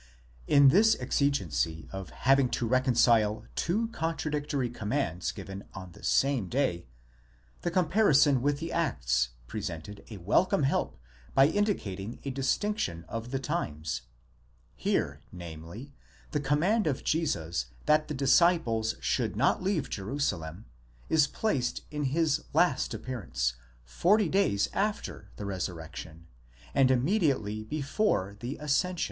In this exigency of having to reconcile two contradictory commands given on the same day, the comparison with the Acts presented a welcome help by indicating a distinction of the times. Here, namely, the command of Jesus that the disciples should not leave Jerusalem is placed in his last appearance, forty days after the resurrection, and immediately before the ascension: at 1 In Lessing's Beitragen, ut sup.